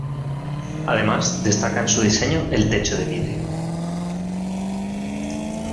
Además destaca en su diseño el techo de vidrio.